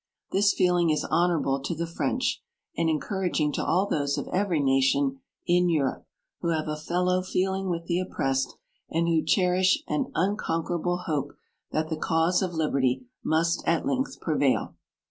This feeling is honourable to the French, and encou raging to all those of every nation m Europe who have a fellow feeling with the oppressed, and who cherish an un conquerable hope that the cause of liberty must at length prevail.